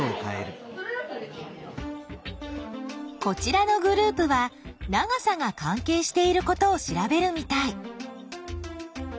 こちらのグループは長さが関係していることを調べるみたい。